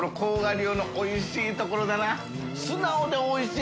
流」のおいしいところだな。